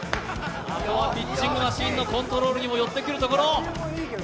ピッチングマシンのコントロールにもよってくるところ。